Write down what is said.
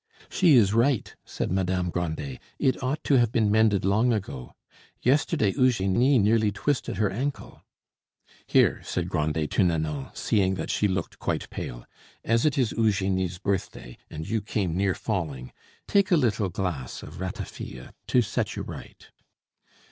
"She is right," said Madame Grandet; "it ought to have been mended long ago. Yesterday Eugenie nearly twisted her ankle." "Here," said Grandet to Nanon, seeing that she looked quite pale, "as it is Eugenie's birthday, and you came near falling, take a little glass of ratafia to set you right."